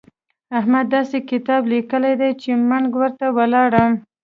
احمد داسې کتاب ليکلی دی چې منګ ورته ولاړم.